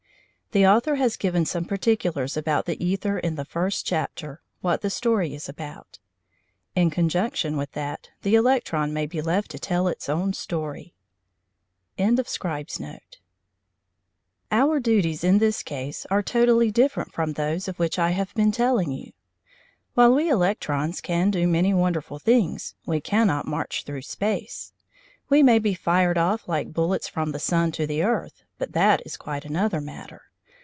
The author has given some particulars about the æther in the first chapter (What the Story is about). In conjunction with that, the electron may be left to tell its own story. CHAPTER X HOW WE COMMUNICATE WITH DISTANT SHIPS Our duties in this case are totally different from those of which I have been telling you. While we electrons can do many wonderful things, we cannot march through space. We may be fired off like bullets from the sun to the earth, but that is quite another matter.